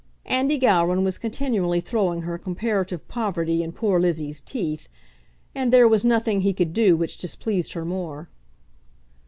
Andy Gowran was continually throwing her comparative poverty in poor Lizzie's teeth, and there was nothing he could do which displeased her more.